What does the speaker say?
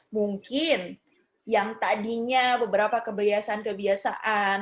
mungkin yang tadinya beberapa kebiasaan kebiasaan